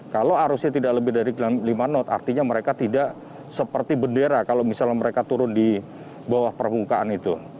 kalau arusnya tidak lebih dari lima knot artinya mereka tidak seperti bendera kalau misalnya mereka turun di bawah permukaan itu